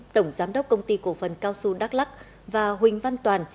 tổng giám đốc công ty cổ phần cao xu đắk lắc và huỳnh văn toàn